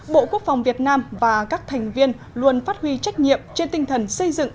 bộ quốc phòng việt nam và các thành viên luôn phát huy trách nhiệm trên tinh thần xây dựng